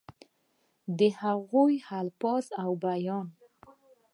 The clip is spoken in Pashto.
دَ هغوي الفاظ او دَ بيان